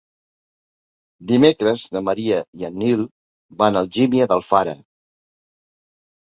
Dimecres na Maria i en Nil van a Algímia d'Alfara.